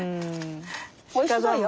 おいしそうよ。